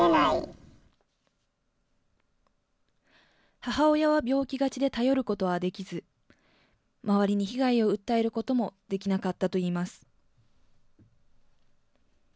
母親は病気がちで頼ることはできず、周りに被害を訴えることもできなかったといいます。